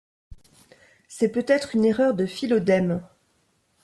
C'est peut-être une erreur de Philodème.